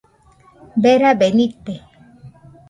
Berabe nite